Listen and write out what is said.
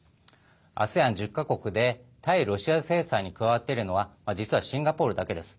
ＡＳＥＡＮ１０か国で対ロシア制裁に加わっているのは実は、シンガポールだけです。